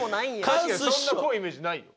確かにそんな濃いイメージないよ。